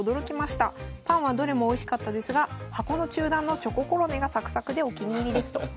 パンはどれもおいしかったですが箱の中段のチョココロネがサクサクでお気に入りですと。